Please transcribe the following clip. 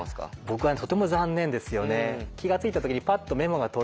僕はとても残念ですよね。